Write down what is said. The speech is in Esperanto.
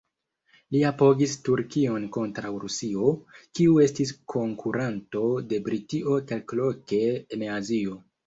Li apogis Turkion kontraŭ Rusio, kiu estis konkuranto de Britio kelkloke en Azio.